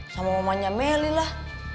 sama mamanya meli lah